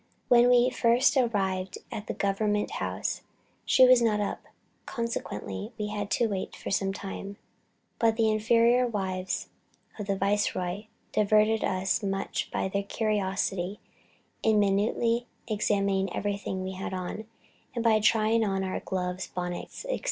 When we first arrived at the government house, she was not up, consequently we had to wait some time. But the inferior wives of the Viceroy diverted us much by their curiosity, in minutely examining everything we had on, and by trying on our gloves, bonnets, &c.